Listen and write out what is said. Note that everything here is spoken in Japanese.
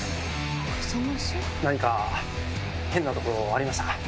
何か変なところありましたか？